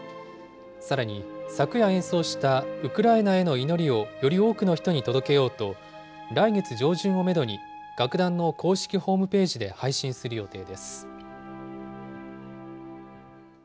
さらに、昨夜演奏したウクライナへの祈りをより多くの人に届けようと、来月上旬をメドに、楽団の公式ホームページで配信する予定です。